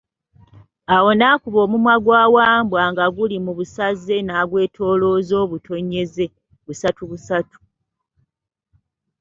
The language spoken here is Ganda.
Awo n'akuba omumwa gwa Wambwa nga guli mu busaze n'agwetolooza obutonyezze, busatu busatu.